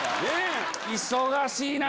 忙しいな。